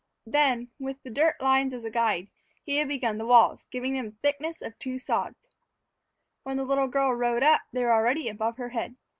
Then, with the dirt lines as a guide, he had begun the walls, giving them the thickness of two sods. When the little girl rode up they were already above her head.